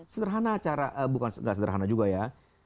sederhana cara bukan tidak sederhana juga ya